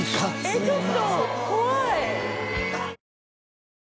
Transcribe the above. えっちょっと。